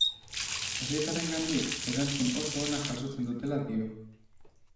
Herritarrengandik erantzun oso ona jasotzen dutela dio.